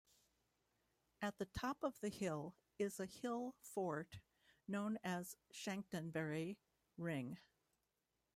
At the top of the hill is a hill fort known as Chanctonbury Ring.